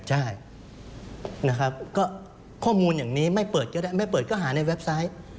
ใช่นะครับก็ข้อมูลอย่างนี้ไม่เปิดก็ได้ไม่เปิดก็หาในเว็บไซต์